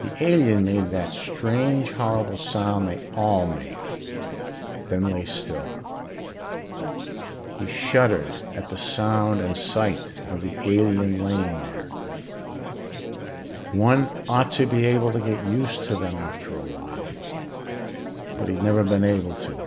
The alien made that strange horrible sound they all make, then lay still. He shuddered at the sound and sight of the alien lying there. One ought to be able to get used to them after a while, but he'd never been able to.